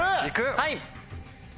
はい！